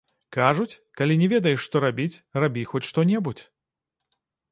Кажуць, калі не ведаеш, што рабіць, рабі хоць што-небудзь.